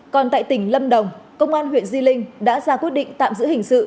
còn tại tỉnh lâm đồng công an huyện di linh đã ra quyết định tạm giữ hình sự